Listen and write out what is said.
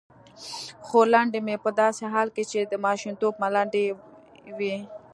خورلنډې مې په داسې حال کې چې د ماشومتوب ملنډې یې وې.